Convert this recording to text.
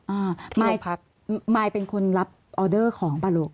อ่ามายมายเป็นคนรับออเดอร์ของปลาโลก